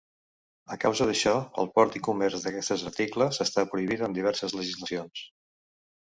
A causa d'això, el port i comerç d'aquests articles està prohibit en diverses legislacions.